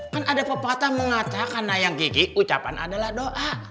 kan ada pepatah mengatakan ayam kiki ucapan adalah doa